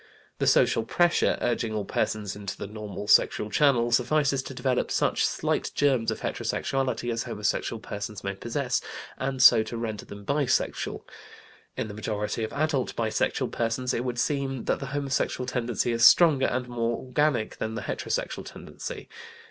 The social pressure, urging all persons into the normal sexual channel, suffices to develop such slight germs of heterosexuality as homosexual persons may possess, and so to render them bisexual. In the majority of adult bisexual persons it would seem that the homosexual tendency is stronger and more organic than the heterosexual tendency.